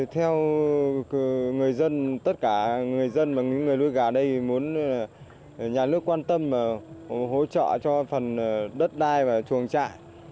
theo tất cả người dân và người nuôi gà đây nhà nước quan tâm hỗ trợ cho phần đất đai và chuồng trại